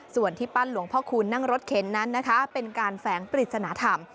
ส่วนที่ปั้นหลวงพ่อคูณนั่งรถเข็นนั้นนะคะเป็นการแฝงปริศนธรรม